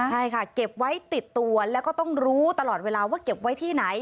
ใช่ค่ะเก็บไว้ติดตัวแล้วก็ต้องรู้ตลอดเวลาว่าเก็บไว้ที่ไหน